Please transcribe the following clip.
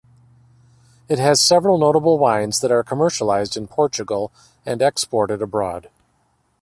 It has several notable wines that are commercialized in Portugal and exported abroad.